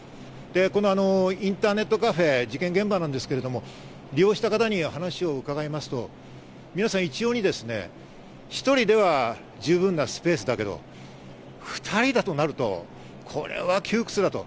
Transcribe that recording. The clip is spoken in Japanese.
このインターネットカフェ、事件現場ですけど、利用した方に話をうかがいますと、皆さん一様に１人では十分なスペースだけど、２人だとなると、これは窮屈だと。